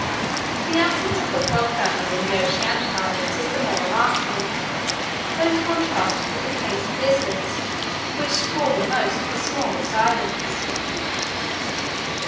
The absence of the frog family in the oceanic islands is the more remarkable, when contrasted with the case of lizards, which swarm on most of the smallest islands.